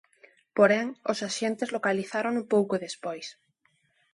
Porén, os axentes localizárono pouco despois.